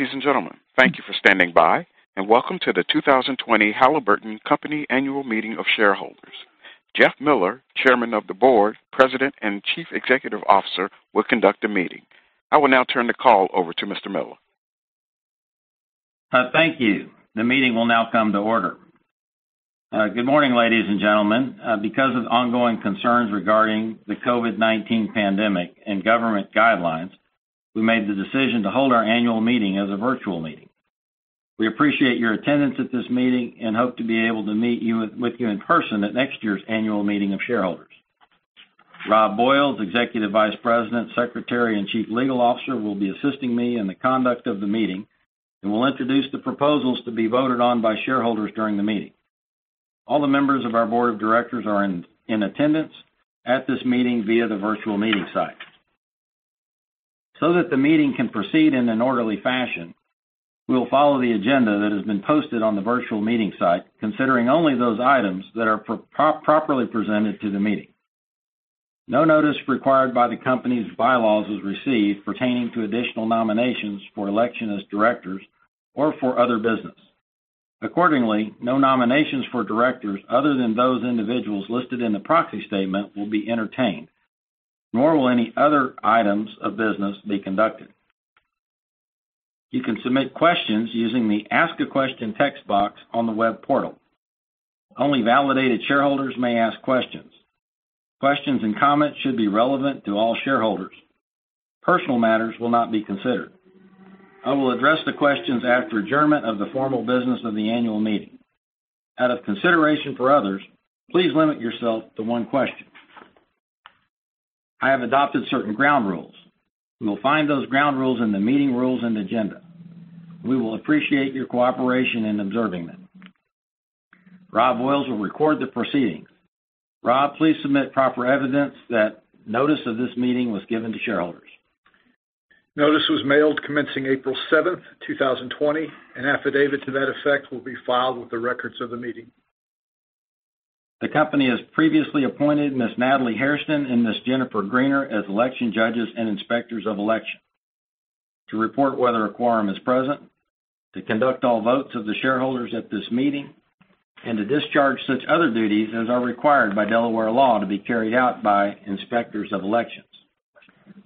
Ladies and gentlemen, thank you for standing by, and welcome to the 2020 Halliburton Company Annual Meeting of Shareholders. Jeff Miller, Chairman of the Board, President, and Chief Executive Officer, will conduct the meeting. I will now turn the call over to Mr. Miller. Thank you. The meeting will now come to order. Good morning, ladies and gentlemen. Because of ongoing concerns regarding the COVID-19 pandemic and government guidelines, we made the decision to hold our annual meeting as a virtual meeting. We appreciate your attendance at this meeting and hope to be able to meet with you in person at next year's annual meeting of shareholders. Robb Voyles, Executive Vice President, Secretary, and Chief Legal Officer, will be assisting me in the conduct of the meeting and will introduce the proposals to be voted on by shareholders during the meeting. All the members of our board of directors are in attendance at this meeting via the virtual meeting site. That the meeting can proceed in an orderly fashion, we'll follow the agenda that has been posted on the virtual meeting site, considering only those items that are properly presented to the meeting. No notice required by the company's bylaws was received pertaining to additional nominations for election as directors or for other business. Accordingly, no nominations for directors other than those individuals listed in the proxy statement will be entertained, nor will any other items of business be conducted. You can submit questions using the Ask a Question text box on the web portal. Only validated shareholders may ask questions. Questions and comments should be relevant to all shareholders. Personal matters will not be considered. I will address the questions after adjournment of the formal business of the annual meeting. Out of consideration for others, please limit yourself to one question. I have adopted certain ground rules. You will find those ground rules in the meeting rules and agenda. We will appreciate your cooperation in observing them. Robb Voyles will record the proceedings. Robb, please submit proper evidence that notice of this meeting was given to shareholders. Notice was mailed commencing April 7th, 2020. An affidavit to that effect will be filed with the records of the meeting. The company has previously appointed Ms. Natalie Hairston and Ms. Jennifer Greener as election judges and Inspectors of Election to report whether a quorum is present, to conduct all votes of the shareholders at this meeting, and to discharge such other duties as are required by Delaware law to be carried out by Inspectors of Election.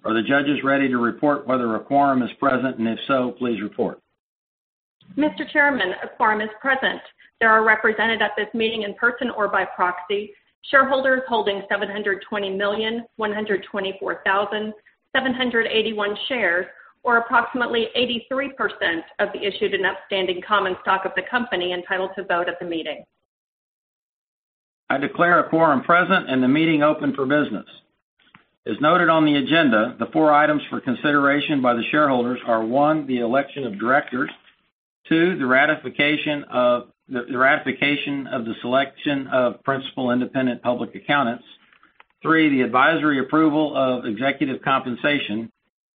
Are the judges ready to report whether a quorum is present, and if so, please report. Mr. Chairman, a quorum is present. There are represented at this meeting in person or by proxy shareholders holding 720,124,781 shares, or approximately 83% of the issued and outstanding common stock of the company entitled to vote at the meeting. I declare a quorum present and the meeting open for business. As noted on the agenda, the four items for consideration by the shareholders are, one, the election of directors. Two, the ratification of the selection of principal independent public accountants. Three, the advisory approval of executive compensation,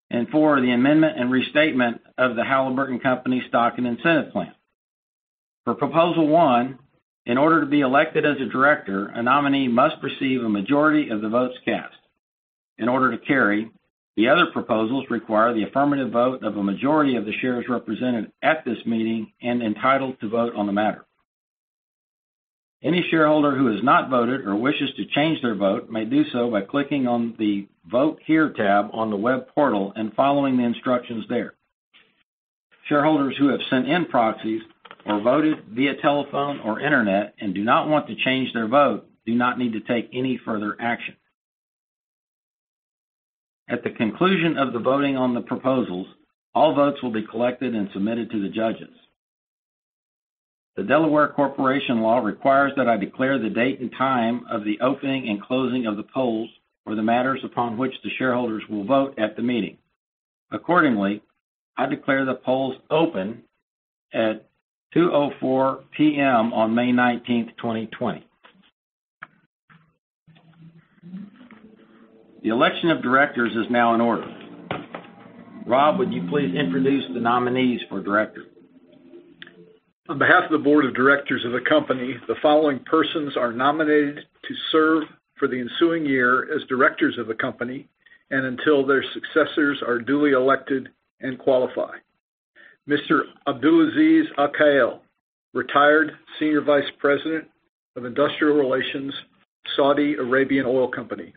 and four, the amendment and restatement of the Halliburton Company Stock and Incentive Plan. For proposal one, in order to be elected as a director, a nominee must receive a majority of the votes cast. In order to carry, the other proposals require the affirmative vote of a majority of the shares represented at this meeting and entitled to vote on the matter. Any shareholder who has not voted or wishes to change their vote may do so by clicking on the Vote Here tab on the web portal and following the instructions there. Shareholders who have sent in proxies or voted via telephone or internet and do not want to change their vote do not need to take any further action. At the conclusion of the voting on the proposals, all votes will be collected and submitted to the judges. The Delaware Corporation law requires that I declare the date and time of the opening and closing of the polls for the matters upon which the shareholders will vote at the meeting. Accordingly, I declare the polls open at 2:04 P.M. on May 19th, 2020. The election of directors is now in order. Robb, would you please introduce the nominees for director? On behalf of the board of directors of the company, the following persons are nominated to serve for the ensuing year as directors of the company and until their successors are duly elected and qualify. Mr. Abdulaziz Alqahtani, retired Senior Vice President of Industrial Relations, Saudi Arabian Oil Company.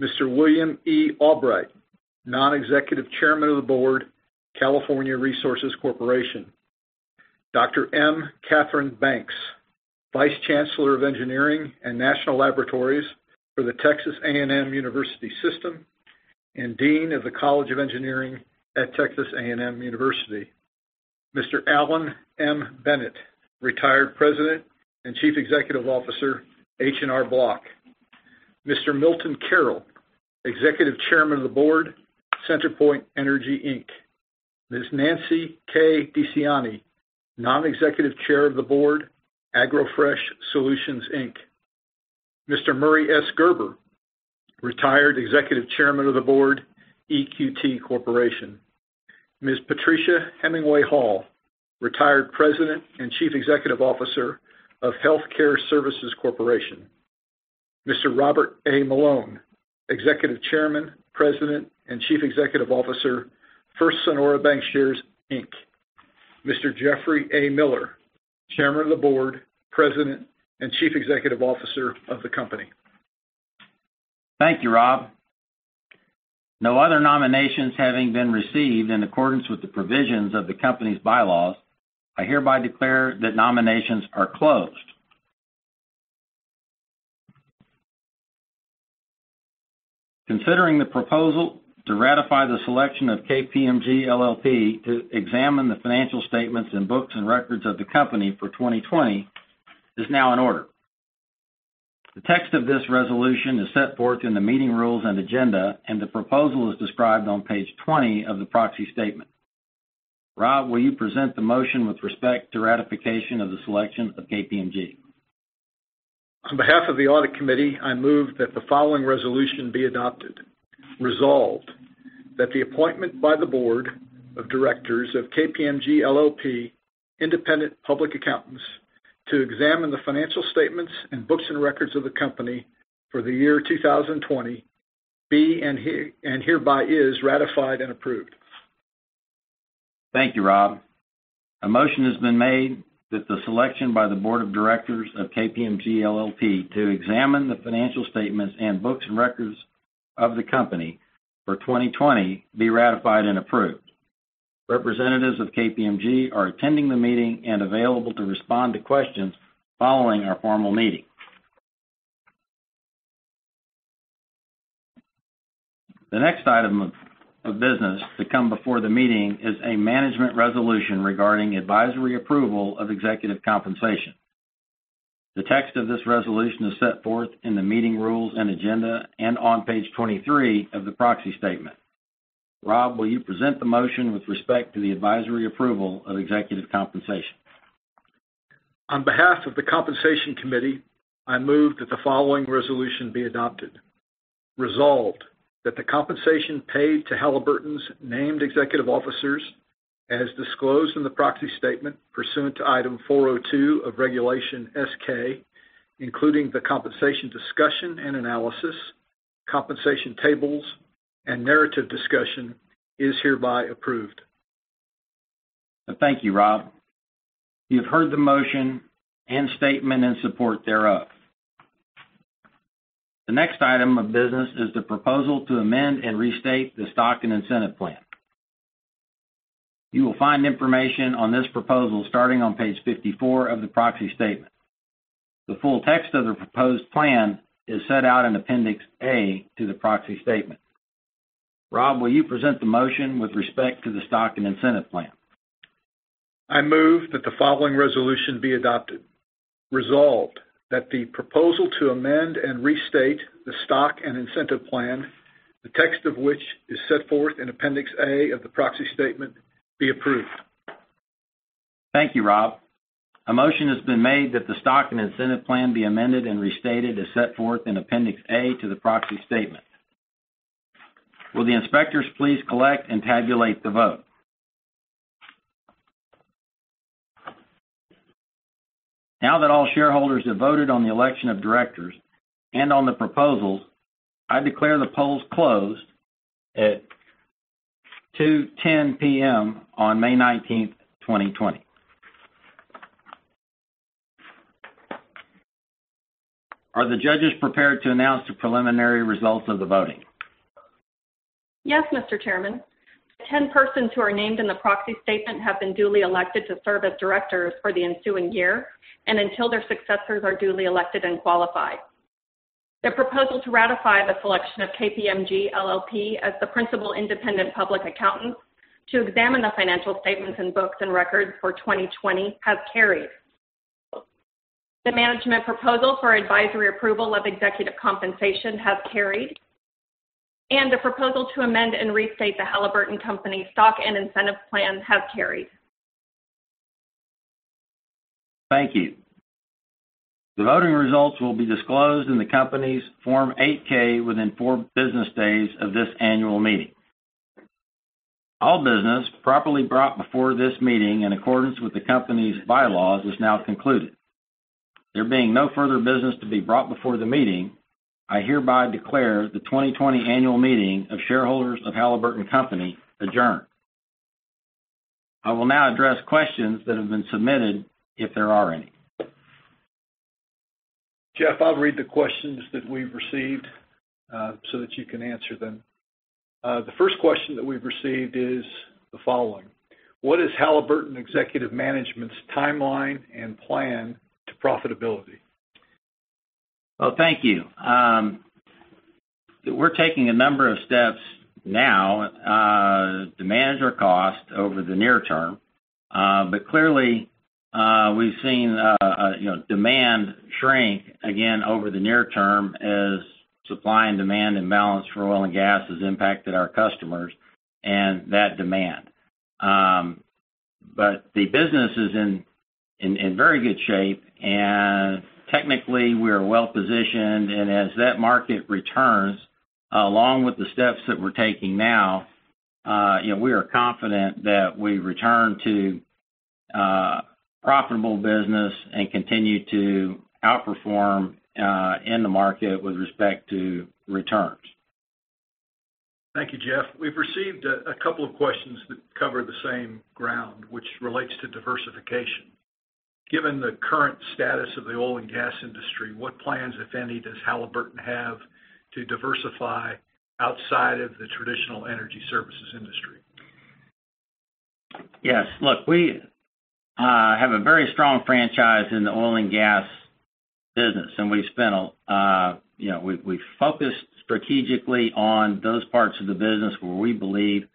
Mr. William E. Albrecht, Non-Executive Chairman of the Board, California Resources Corporation. Dr. M. Katherine Banks, Vice Chancellor of Engineering and National Laboratories for The Texas A&M University System and Dean of the College of Engineering at Texas A&M University. Mr. Alan M. Bennett, Retired President and Chief Executive Officer, H&R Block. Mr. Milton Carroll, Executive Chairman of the Board, CenterPoint Energy, Inc. Ms. Nance K. Dicciani, Non-Executive Chair of the Board, AgroFresh Solutions, Inc. Mr. Murray S. Gerber, Retired Executive Chairman of the Board, EQT Corporation. Ms. Patricia Hemingway Hall, Retired President and Chief Executive Officer of Health Care Service Corporation. Robert A. Malone, Executive Chairman, President, and Chief Executive Officer, First Sonora Bancshares, Inc. Mr. Jeffrey A. Miller, Chairman of the Board, President, and Chief Executive Officer of the company. Thank you, Robb. No other nominations having been received in accordance with the provisions of the company's bylaws, I hereby declare that nominations are closed. Considering the proposal to ratify the selection of KPMG LLP to examine the financial statements and books and records of the company for 2020 is now in order. The text of this resolution is set forth in the meeting rules and agenda, and the proposal is described on page 20 of the proxy statement. Robb, will you present the motion with respect to ratification of the selection of KPMG? On behalf of the audit committee, I move that the following resolution be adopted. Resolved, that the appointment by the board of directors of KPMG LLP, independent public accountants, to examine the financial statements and books and records of the company for the year 2020, be and hereby is ratified and approved. Thank you, Robb. A motion has been made that the selection by the board of directors of KPMG LLP to examine the financial statements and books and records of the company for 2020 be ratified and approved. Representatives of KPMG are attending the meeting and available to respond to questions following our formal meeting. The next item of business to come before the meeting is a management resolution regarding advisory approval of executive compensation. The text of this resolution is set forth in the meeting rules and agenda and on page 23 of the proxy statement. Robb, will you present the motion with respect to the advisory approval of executive compensation? On behalf of the compensation committee, I move that the following resolution be adopted. Resolved, that the compensation paid to Halliburton's named executive officers, as disclosed in the proxy statement pursuant to Item 402 of Regulation S-K, including the compensation discussion and analysis, compensation tables, and narrative discussion, is hereby approved. Thank you, Robb. You've heard the motion and statement in support thereof. The next item of business is the proposal to amend and restate the Stock and Incentive Plan. You will find information on this proposal starting on page 54 of the proxy statement. The full text of the proposed plan is set out in Appendix A to the proxy statement. Robb, will you present the motion with respect to the Stock and Incentive Plan? I move that the following resolution be adopted. Resolved, that the proposal to amend and restate the stock and incentive plan, the text of which is set forth in Appendix A of the proxy statement, be approved. Thank you, Robb. A motion has been made that the Stock and Incentive Plan be amended and restated as set forth in Appendix A to the proxy statement. Will the inspectors please collect and tabulate the vote? Now that all shareholders have voted on the election of directors and on the proposals, I declare the polls closed at 2:10 P.M. on May 19, 2020. Are the judges prepared to announce the preliminary results of the voting? Yes, Mr. Chairman. The 10 persons who are named in the proxy statement have been duly elected to serve as directors for the ensuing year and until their successors are duly elected and qualified. The proposal to ratify the selection of KPMG LLP as the principal independent public accountants to examine the financial statements and books and records for 2020 has carried. The management proposal for advisory approval of executive compensation has carried, and the proposal to amend and restate the Halliburton Company Stock and Incentive Plan has carried. Thank you. The voting results will be disclosed in the company's Form 8-K within four business days of this annual meeting. All business properly brought before this meeting in accordance with the company's bylaws is now concluded. There being no further business to be brought before the meeting, I hereby declare the 2020 annual meeting of shareholders of Halliburton Company adjourned. I will now address questions that have been submitted, if there are any. Jeff, I'll read the questions that we've received so that you can answer them. The first question that we've received is the following: What is Halliburton executive management's timeline and plan to profitability? Well, thank you. We're taking a number of steps now to manage our cost over the near term. Clearly, we've seen demand shrink again over the near term as supply and demand imbalance for oil and gas has impacted our customers and that demand. The business is in very good shape, and technically, we are well-positioned. As that market returns, along with the steps that we're taking now, we are confident that we return to a profitable business and continue to outperform in the market with respect to returns. Thank you, Jeff. We've received a couple of questions that cover the same ground, which relates to diversification. Given the current status of the oil and gas industry, what plans, if any, does Halliburton have to diversify outside of the traditional energy services industry? Yes. Look, we have a very strong franchise in the oil and gas business, and we've focused strategically on those parts of the business where we believe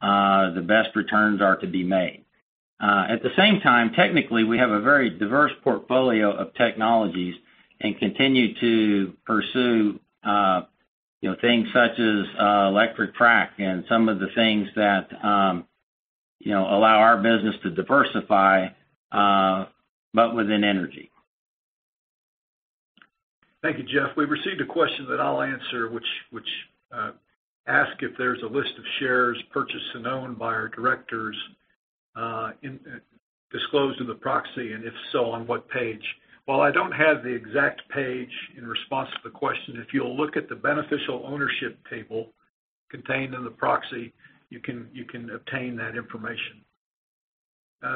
the best returns are to be made. At the same time, technically, we have a very diverse portfolio of technologies and continue to pursue things such as electric frac and some of the things that allow our business to diversify, but within energy. Thank you, Jeff. We've received a question that I'll answer, which asks if there's a list of shares purchased and owned by our directors disclosed in the proxy, and if so, on what page. While I don't have the exact page in response to the question, if you'll look at the beneficial ownership table contained in the proxy, you can obtain that information.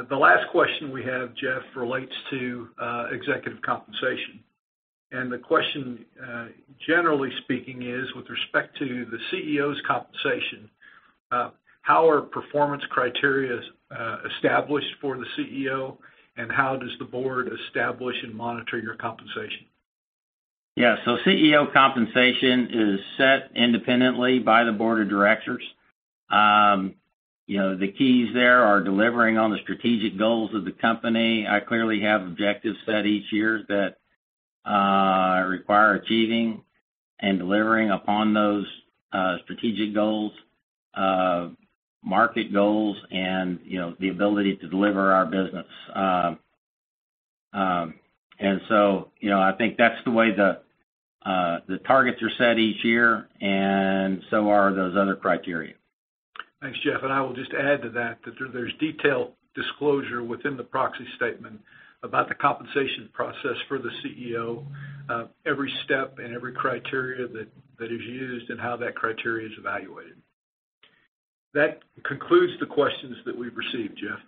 The last question we have, Jeff, relates to executive compensation. The question, generally speaking, is with respect to the CEO's compensation, how are performance criteria established for the CEO, and how does the board establish and monitor your compensation? Yeah. CEO compensation is set independently by the board of directors. The keys there are delivering on the strategic goals of the company. I clearly have objectives set each year that require achieving and delivering upon those strategic goals, market goals, and the ability to deliver our business. I think that's the way the targets are set each year, and so are those other criteria. Thanks, Jeff. I will just add to that there's detailed disclosure within the proxy statement about the compensation process for the CEO, every step and every criteria that is used, and how that criteria is evaluated. That concludes the questions that we've received, Jeff.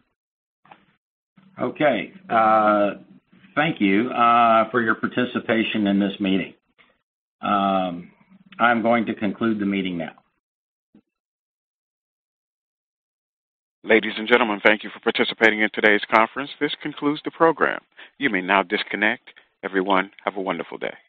Okay. Thank you for your participation in this meeting. I'm going to conclude the meeting now. Ladies and gentlemen, thank you for participating in today's conference. This concludes the program. You may now disconnect. Everyone, have a wonderful day.